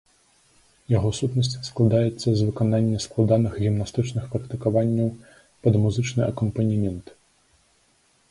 Яго сутнасць складаецца з выканання складаных гімнастычных практыкаванняў пад музычны акампанемент.